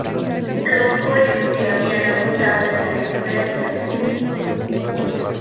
Los boyos se habían apostado en las afueras del bosque.